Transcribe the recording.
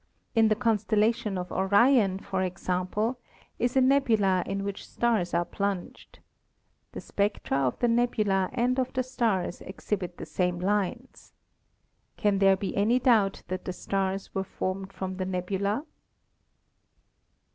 In the constellation of Orion, for example, is a nebula in which stars are plunged. The spectra of the nebula and of the stars exhibit the same lines. Can there be any doubt that the stars were formed from the nebula?